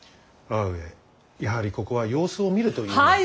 母上やはりここは様子を見るというのは。